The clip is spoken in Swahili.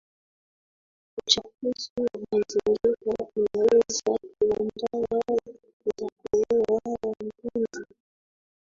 Uchafuzi wa mazingira unaweza kuwadawa za kuua wadudu